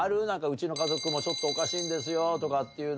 うちの家族もちょっとおかしいんですよとかっていうの。